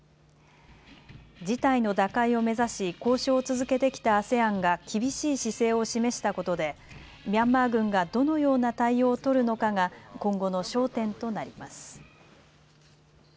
事態の打開を目指し交渉を続けてきたＡＳＥＡＮが厳しい姿勢を示したことでミャンマー軍がどのような対応を取るのかが今後の焦点となります。